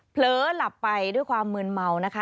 เลิหลับไปด้วยความมืนเมานะคะ